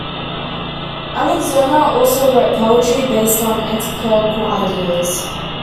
Alxinger also wrote poetry based on anticlerical ideas.